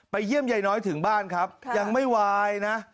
เยี่ยมยายน้อยถึงบ้านครับยังไม่วายนะ